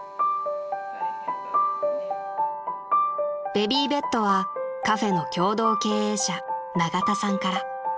［ベビーベッドはカフェの共同経営者永田さんから］